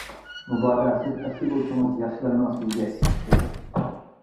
مۇبادا، سىز ئەسكى بولسىڭىز ياخشىلارنىڭ سىزگە ئىچى پۇشىدۇ.